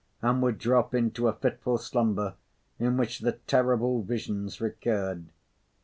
and would drop into a fitful slumber in which the terrible visions recurred.